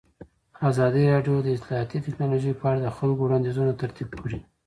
ازادي راډیو د اطلاعاتی تکنالوژي په اړه د خلکو وړاندیزونه ترتیب کړي.